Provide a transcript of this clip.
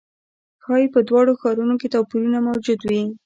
ښايي په دواړو ښارونو کې توپیرونه موجود وي.